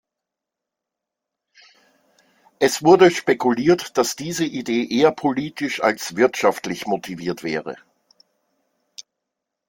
Es wurde spekuliert, dass diese Idee eher politisch als wirtschaftlich motiviert wäre.